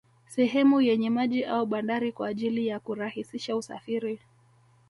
Sehemu yenye maji au bandari kwa ajili ya kurahisisha usafiri